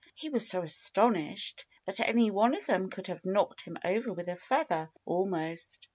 He was so astonished that any one of them could have knocked him over with a feather, almost.